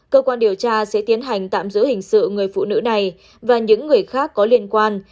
cơ quan điều tra sẽ tiến hành tạm giữ hình sự người phụ nữ này và những người khác có liên quan